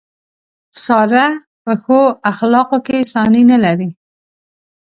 ساره په ښو اخلاقو کې ثاني نه لري.